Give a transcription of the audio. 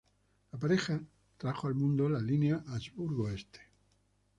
La pareja trajo al mundo la línea Habsburgo-Este.